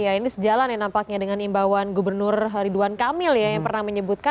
ya ini sejalan ya nampaknya dengan imbauan gubernur ridwan kamil ya yang pernah menyebutkan